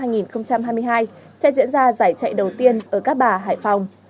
là giải trại đầu tiên ở các bà hải phòng